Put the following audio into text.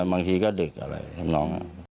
บางทีก็ดึกอะไรครับน้อง